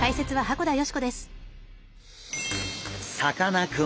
さかなクン